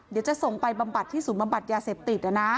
เดี๋ยวจะส่งไปบำบัดที่ศูนย์บำบัดยาเสพติด